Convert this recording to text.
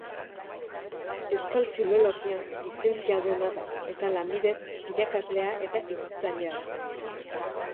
Euskal Filologian lizentziaduna da eta lanbidez irakaslea eta itzultzailea da.